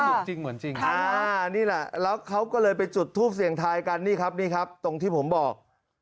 นี่อะค่ะค่ะนี่แหละแล้วเขาก็เลยไปจุดทูบเสียงทายกันนี่ครับนี่ครับตรงที่ผมบอก